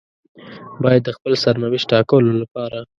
بايد د خپل سرنوشت ټاکلو لپاره.